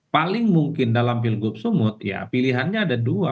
paling mungkin dalam pilgub sumut ya pilihannya ada dua